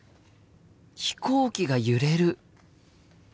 飛行機が揺れる。